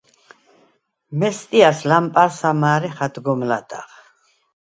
მესტიას ლამპა̈რს ამა̄რეხ ადგომ ლადა̈ღ.